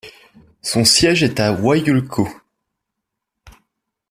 Son siège est à Wailuku.